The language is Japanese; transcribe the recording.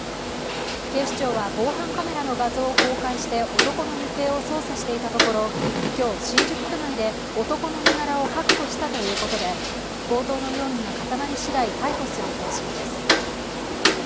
警視庁は防犯カメラの画像を公開して男の行方を捜査していたところ今日、新宿区内で男の身柄を確保したということで強盗の容疑が固まり次第、逮捕する方針です。